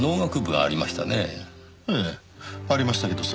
ええありましたけど。